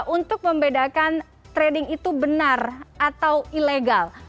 untuk membedakan trading itu benar atau ilegal